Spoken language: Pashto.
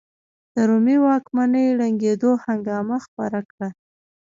د رومي واکمنۍ ړنګېدو هنګامه خپره کړه.